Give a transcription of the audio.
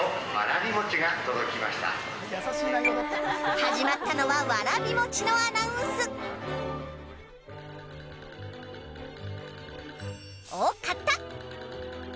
始まったのはわらび餅のアナウンス。を、買った。